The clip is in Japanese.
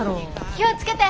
気を付けて。